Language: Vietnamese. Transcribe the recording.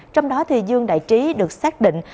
trong đó thì dương đại trí được xác định